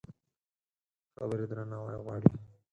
خبرې درناوی غواړي.